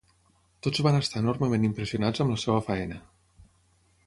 Tots van estar enormement impressionats amb la seva feina.